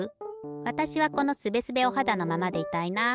わたしはこのすべすべおはだのままでいたいな。